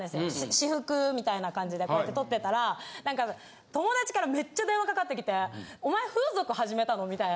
私服みたいな感じでこうやって撮ってたら何か友達からめっちゃ電話かかってきて「お前風俗はじめたの？」みたいな。